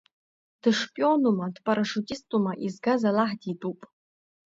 Дышпионума, дпарашиутистума изгаз аллаҳ дитәуп.